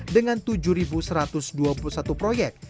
dengan tujuh satu ratus dua puluh satu proyek